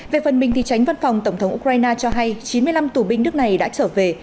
về phần mình thì tránh văn phòng tổng thống ukraine cho hay chín mươi năm tù binh nước này đã trở về